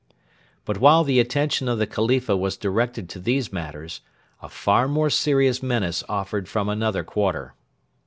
But while the attention of the Khalifa was directed to these matters, a far more serious menace offered from another quarter.